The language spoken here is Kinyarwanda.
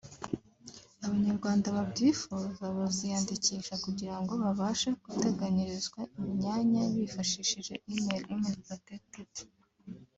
Abanyarwanda babyifuza baziyandikisha kugirango babashe guteganyirizwa imyanya bifashishije email [email protected]